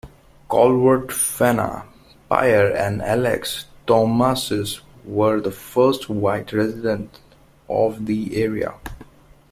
Colwert, Fanna Pier and Alex Tomasik were the first white residents of the area.